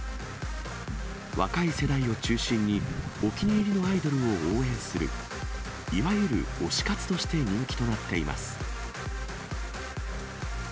若い世代を中心に、お気に入りのアイドルを応援する、いわゆる推し活として人気となっています。